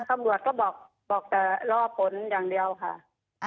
สำรวจก็บอกบอกจะเล่าผลอย่างเดียวค่ะ